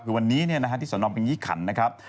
คือวันนี้ที่สนปิงยี่ขันนะครับ